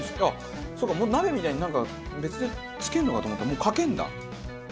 そっか鍋みたいになんか別でつけるのかと思ったらもうかけるんだ！